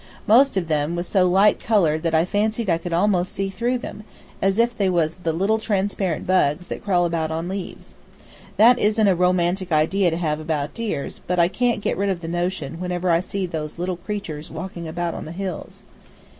Most of them was so light colored that I fancied I could almost see through them, as if they was the little transparent bugs that crawl about on leaves. That isn't a romantic idea to have about deers, but I can't get rid of the notion whenever I see those little creatures walking about on the hills.